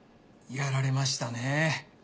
やられましたね。